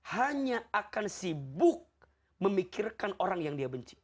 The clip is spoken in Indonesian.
hanya akan sibuk memikirkan orang yang dia benci